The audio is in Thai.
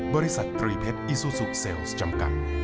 บริษัทตรีเพชรอีซูซูเซลล์จำกัด